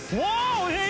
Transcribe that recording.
おいしい！